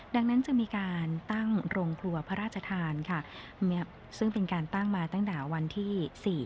ดังนั้นจะมีการตั้งโรงครัวพระราชทานค่ะซึ่งเป็นการตั้งมาตั้งแต่วันที่๔